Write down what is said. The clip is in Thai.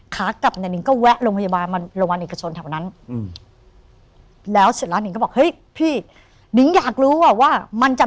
ขากลับเนี่ยหนิก็แวะโรงพยาบาลมา